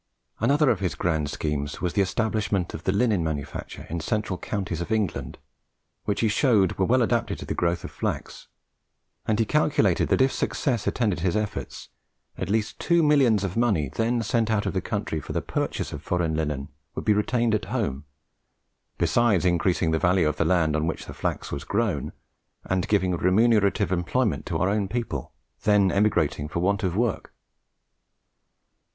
Another of his grand schemes was the establishment of the linen manufacture in the central counties of England, which, he showed, were well adapted for the growth of flax; and he calculated that if success attended his efforts, at least two millions of money then sent out of the country for the purchase of foreign linen would be retained at home, besides increasing the value of the land on which the flax was grown, and giving remunerative employment to our own people, then emigrating for want of work.